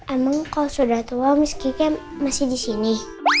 emang kalau sudah tua miss gigi masih disini